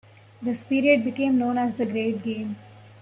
This period became known as the Great Game.